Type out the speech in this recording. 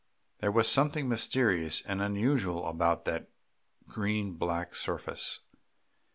There was something mysterious and unusual about that green black surface.